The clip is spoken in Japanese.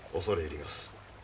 恐れ入ります。